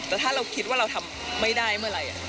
แต่ถ้าเราคิดว่าเราทำไม่ได้เมื่อไหร่